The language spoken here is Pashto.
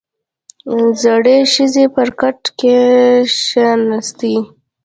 • زړې ښځې پر کټ کښېناستې.